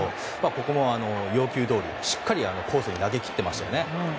ここも要求どおりしっかりコースに投げ切ってましたよね。